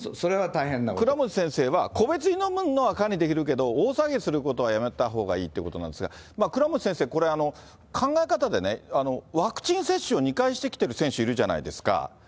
倉持先生は、個別に飲むのは管理できるけど大騒ぎすることはやめたほうがいいということなんですが、倉持先生、これは考え方でね、ワクチン接種を２回してきてる選手、いるじゃないですか。